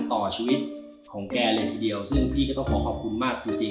ที่แกที่เดียวเพื่อขอขอบคุณมาก